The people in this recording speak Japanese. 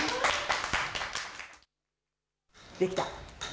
できた？